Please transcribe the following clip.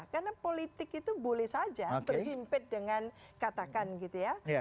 karena politik itu boleh saja berhimpit dengan katakan gitu ya